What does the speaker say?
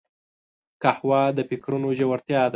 قهوه د فکرونو ژورتیا ده